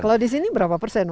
kalau di sini berapa persen